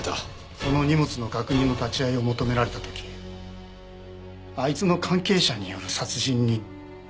その荷物の確認の立ち会いを求められた時あいつの関係者による殺人に偽装しようと思って。